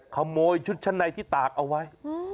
ขโมยชุดชั้นในที่ตากเอาไว้